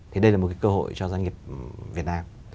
thì đây là một cái cơ hội cho doanh nghiệp việt nam